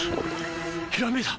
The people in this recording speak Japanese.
ひらめいた！